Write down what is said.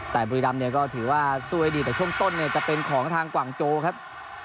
แต่บุรีรำเนี่ยก็ถือว่าสู้ให้ดีแต่ช่วงต้นเนี่ยจะเป็นของทางกว่างโจครับ